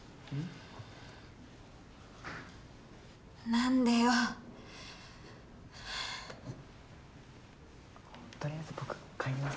なんでよとりあえず僕帰ります